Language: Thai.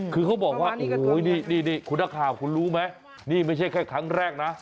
คือเขาบอกว่าโอ้โหนี่คุณนักข่าวคุณรู้ไหมนี่ไม่ใช่แค่ครั้งแรกนะ